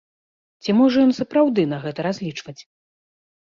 Ці можа ён сапраўды на гэта разлічваць?